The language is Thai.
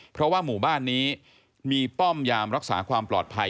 เพราะว่าหมู่บ้านนี้มีป้อมยามรักษาความปลอดภัย